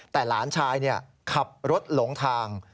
แต่หลานชายขับรถหลงทาง